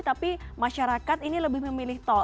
tapi masyarakat ini lebih memilih tol